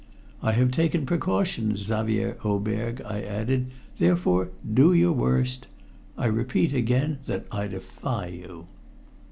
I have taken precaution, Xavier Oberg," I added, "therefore do your worst. I repeat again that I defy you!"